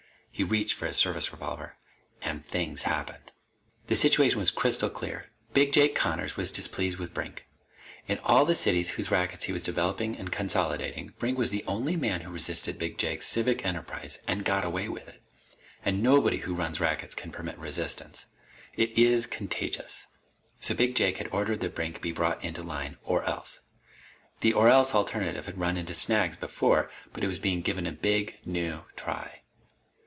He reached for his service revolver. And things happened. The situation was crystal clear. Big Jake Connors was displeased with Brink. In all the city whose rackets he was developing and consolidating, Brink was the only man who resisted Big Jake's civic enterprise and got away with it! And nobody who runs rackets can permit resistance. It is contagious. So Big Jake had ordered that Brink be brought into line or else. The or else alternative had run into snags, before, but it was being given a big new try.